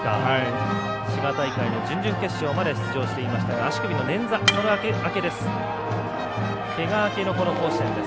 滋賀大会の準々決勝まで出場していましたが足首の捻挫、その明けです。